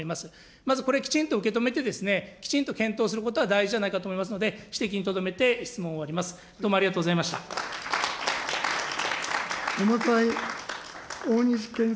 まずこれ、きちんと受け止めて、きちんと検討することが大事じゃないかと思いますので、指摘にとどめて質問を終わります。